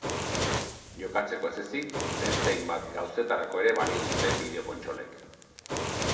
Jokatzeko ez ezik, beste hainbat gauzetarako ere balio dute bideo-kontsolek.